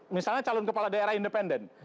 misalnya calon kepala daerah independen